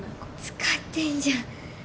使ってんじゃん。